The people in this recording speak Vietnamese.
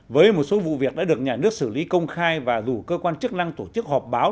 với một số vụ việc đã được nhà nước xử lý công khai và dù cơ quan chức năng tổ chức họp báo